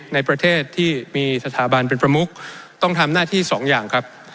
ในประเทศที่มีสถาบันเป็นประมุกต้องทำหน้าที่สองอย่างครับ